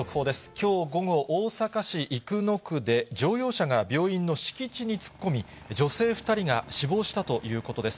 きょう午後、大阪市生野区で、乗用車が病院の敷地に突っ込み、女性２人が死亡したということです。